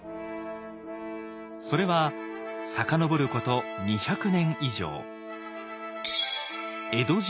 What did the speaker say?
それは遡ること２００年以上。